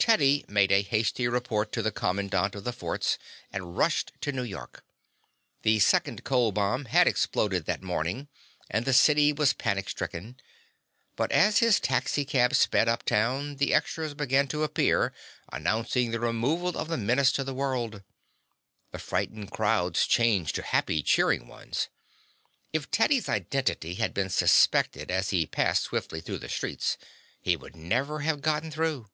Teddy made a hasty report to the commandant of the forts and rushed to New York. The second cold bomb had exploded that morning and the city was panic stricken, but as his taxicab sped uptown the extras began to appear announcing the removal of the menace to the world. The frightened crowds changed to happy, cheering ones. If Teddy's identity had been suspected as he passed swiftly through the streets, he would never have gotten through.